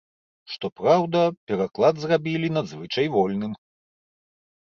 Што праўда, пераклад зрабілі надзвычай вольным.